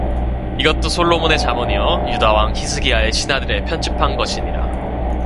이것도 솔로몬의 잠언이요 유다 왕 히스기야의 신하들의 편집한 것이니라